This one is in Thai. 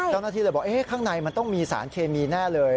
เจ้าหน้าที่เลยบอกข้างในมันต้องมีสารเคมีแน่เลย